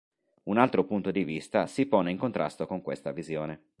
Un altro punto di vista si pone in contrasto con questa visione.